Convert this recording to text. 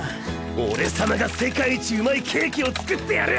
俺様が世界一うまいケーキを作ってやる！